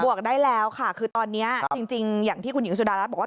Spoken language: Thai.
วกได้แล้วค่ะคือตอนนี้จริงอย่างที่คุณหญิงสุดารัฐบอกว่า